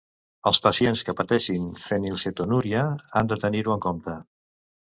Els pacients que pateixin fenilcetonúria han de tenir-ho en compte.